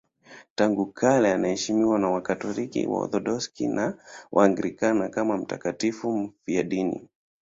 Tangu kale anaheshimiwa na Wakatoliki, Waorthodoksi na Waanglikana kama mtakatifu mfiadini.